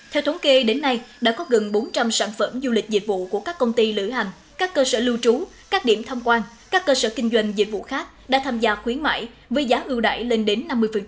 theo thống kê đến nay đã có gần bốn trăm linh sản phẩm du lịch dịch vụ của các công ty lửa hành các cơ sở lưu trú các điểm thăm quan các cơ sở kinh doanh dịch vụ khác đã tham gia khuyến mại với giá ưu đại lên đến năm mươi